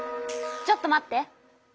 ちょっと待って。